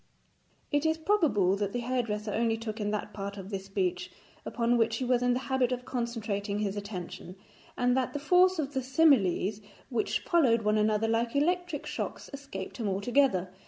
It is probable that the hairdresser only took in that part of this speech upon which he was in the habit of concentrating his attention, and that the force of the similes which followed one another like electric shocks escaped him altogether.